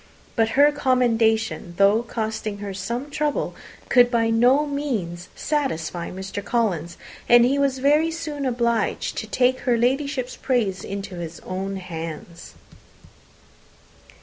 But her commendation, though costing her some trouble, could by no means satisfy Mr. Collins, and he was very soon obliged to take her Ladyship's praise into his own hands.